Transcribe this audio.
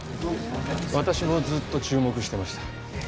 私もずっと注目してました